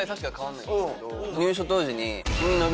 入所当時に。